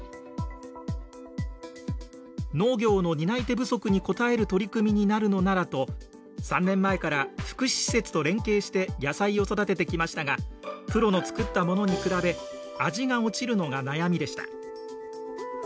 農業の担い手不足に応える取り組みになるのならと３年前から福祉施設と連携して野菜を育ててきましたがプロのつくったものに比べ味が落ちるのが悩みでした。